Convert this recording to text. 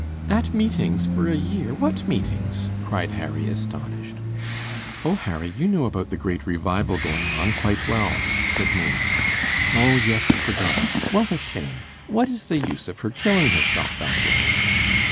"At meetings for a year! What meetings?" cried Harry, astonished. "Oh, Harry, you know about the great revival going on quite well," said Maimie. "Oh, yes. I forgot. What a shame! What is the use of her killing herself that way?"